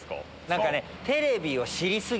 何かね。